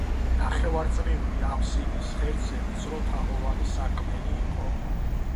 ნახევარწრიული აფსიდის ღერძზე ვიწრო თაღოვანი სარკმელი იყო.